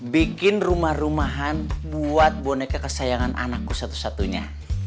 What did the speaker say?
bikin rumah rumahan buat boneka kesayangan anakku satu satunya